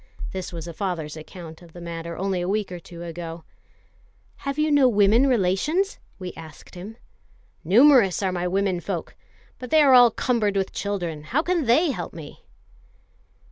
This was a father's account of the matter only a week or two ago. "Have you no women relations?" we asked him. "Numerous are my womenfolk, but they are all cumbered with children: how can they help me?"